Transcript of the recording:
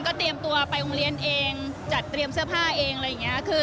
เตรียมตัวไปโรงเรียนเองจัดเตรียมเสื้อผ้าเองอะไรอย่างนี้